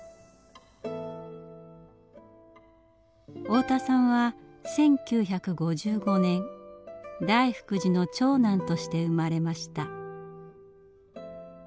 太田さんは１９５５年大福寺の長男として生まれました。